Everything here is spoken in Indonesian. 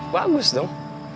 weh bagus dong